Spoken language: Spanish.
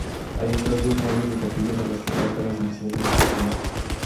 Hay otras dos naves de capillas a las que faltan las divisiones respectivas.